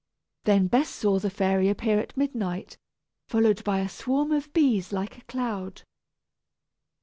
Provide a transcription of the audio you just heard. Then Bess saw the fairy appear at midnight, followed by a swarm of bees like a cloud.